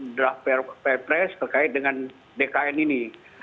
draft perpres berkait dengan dkn ini